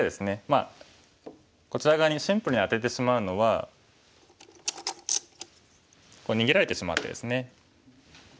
まあこちら側にシンプルにアテてしまうのは逃げられてしまってですね。